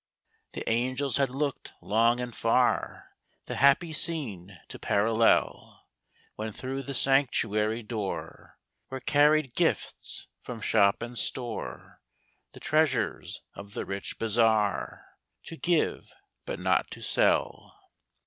The angels had looked long and far The happy scene to parallel, When through the sanctuary door Were carried gifts from shop and store, The treasures of the rich bazaar, To give but not to sell.